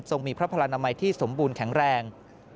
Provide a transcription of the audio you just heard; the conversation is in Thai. มีพระพลนามัยที่สมบูรณ์แข็งแรง